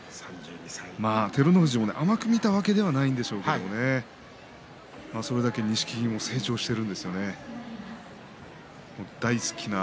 照ノ富士も甘く見たわけではないでしょうけれどもそれだけ錦木も成長してるということだと思います。